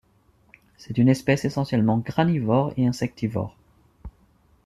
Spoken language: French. C'est une espèce essentiellement granivore et insectivore.